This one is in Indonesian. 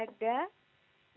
air makin gak ada